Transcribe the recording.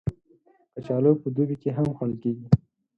کچالو په دوبی کې هم خوړل کېږي